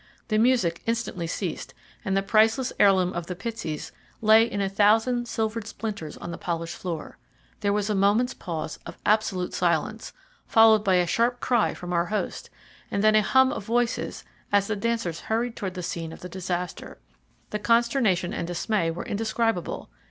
The music instantly ceased, and the priceless heirloom of the Pitseys lay in a thousand silvered splinters on the polished floor. There was a moment's pause of absolute silence, followed by a sharp cry from our host, and then a hum of voices as the dancers hurried towards the scene of the disaster. The consternation and dismay were indescribable.